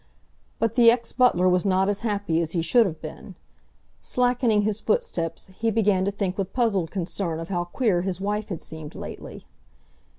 But the ex butler was not as happy as he should have been. Slackening his footsteps, he began to think with puzzled concern of how queer his wife had seemed lately.